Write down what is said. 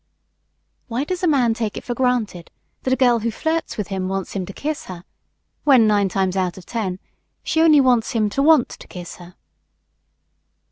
Why does a man take it for granted that a girl who flirts with him wants him to kiss her when, nine times out of ten, she only wants him to want to kiss her?